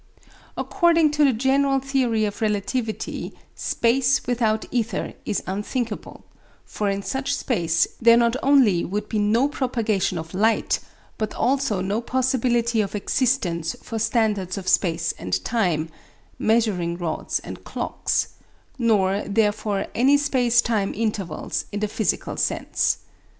According to the general theory of relativity space without ether is unthinkable; for in such space there not only would be no propagation of light, but also no possibility of existence for standards of space and time (measuring rods and clocks), nor therefore any space time intervals in the physical sense.